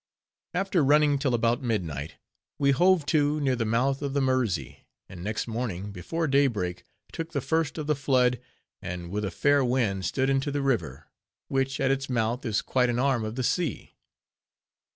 After running till about midnight, we "hove to" near the mouth of the Mersey; and next morning, before day break, took the first of the flood; and with a fair wind, stood into the river; which, at its mouth, is quite an arm of the sea.